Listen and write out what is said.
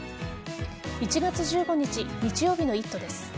１月１５日日曜日の「イット！」です。